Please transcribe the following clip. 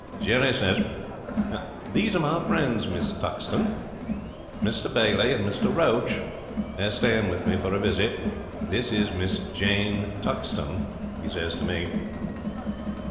'Jerry says, "These are my friends, Miss Tuxton Mr Bailey and Mr Roach. They are staying with me for a visit. This is Miss Jane Tuxton," he says to us.